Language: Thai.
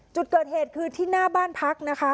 จุดเกิดเหตุคือที่หน้าบ้านพักนะคะ